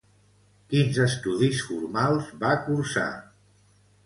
Quins estudis formals va cursar?